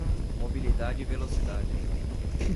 Mobilidade e Velocidade